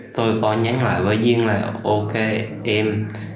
tôi có nhắn lại với duyên là ok em